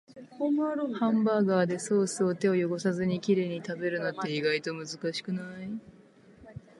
ハンバーガーをソースで手を汚さずにきれいに食べるのって、意外と難しくない？